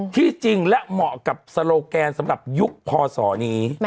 ที่จริงและเหมาะกับโซโลแกนสำหรับยุคพศนี้